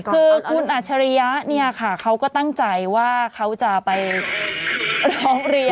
คือคุณอัจฉริยะเนี่ยค่ะเขาก็ตั้งใจว่าเขาจะไปร้องเรียน